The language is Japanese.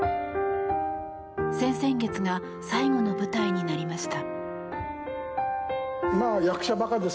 先々月が最後の舞台になりました。